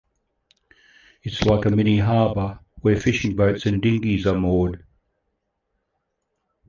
It's like a mini harbor where fishing boats and dinghies are moored.